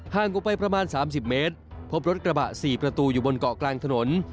กูไปประมาณ๓๐เมตรพบรถกระบะ๔ประตูอยู่บนเกาะกลางถนน